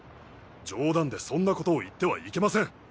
冗談でそんなことを言ってはいけません。